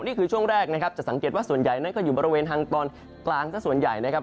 นี่คือช่วงแรกนะครับจะสังเกตว่าส่วนใหญ่นั้นก็อยู่บริเวณทางตอนกลางสักส่วนใหญ่นะครับ